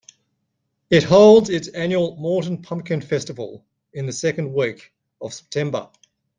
It holds its annual Morton Pumpkin Festival in the second week of September.